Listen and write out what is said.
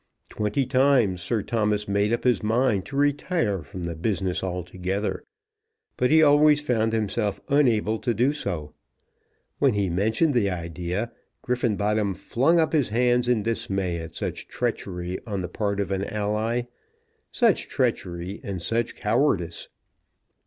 Twenty times Sir Thomas made up his mind to retire from the business altogether; but he always found himself unable to do so. When he mentioned the idea, Griffenbottom flung up his hands in dismay at such treachery on the part of an ally, such treachery and such cowardice!